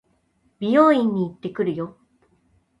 美容院に行ってくるよ。